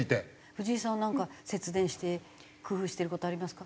藤井さんはなんか節電して工夫してる事ありますか？